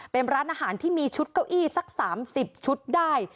เป็นร้านอาหารที่มีชุดเก้าอี้สัก๓๐ชุดได้